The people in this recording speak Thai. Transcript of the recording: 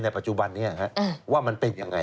ปัจจุบันนี้ว่ามันเป็นยังไง